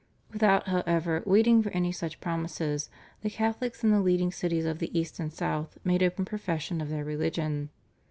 Without, however, waiting for any such promises the Catholics in the leading cities of the East and South made open profession of their religion.